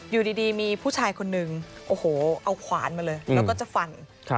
อยู่ดีมีผู้ชายคนหนึ่งโอ้โหเอาขวานมาเลยแล้วก็จะฟัน